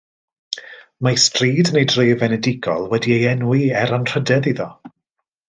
Mae stryd yn ei dref enedigol wedi ei enwi er anrhydedd iddo.